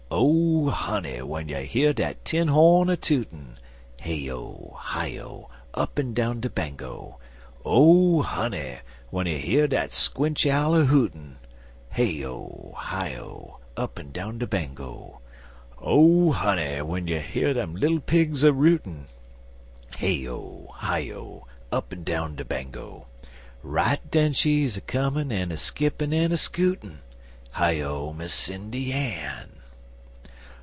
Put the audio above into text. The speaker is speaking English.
Oh, honey! w'en you year dat tin horn a tootin' (Hey O! Hi O! Up'n down de Bango!) Oh, honey, w'en you year de squinch owl a hootin' (Hey O! Hi O! Up'n down de Bango!) Oh, honey! w'en you year dem little pigs a rootin' (Hey O! Hi O! Up'n down de Bango!) Right den she's a comin' a skippin' en a scootin' (Hi O, Miss Sindy Ann!)